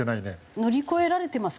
乗り越えられてますか？